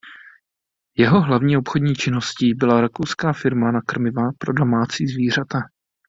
Jeho hlavní obchodní činností byla rakouská firma na krmiva pro domácí zvířata.